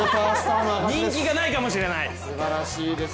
人気がないかもしれない。